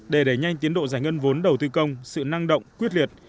để đẩy nhanh tiến độ giải ngân vốn đầu tư công sự năng động quyết liệt